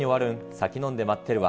酒飲んで待ってるわ。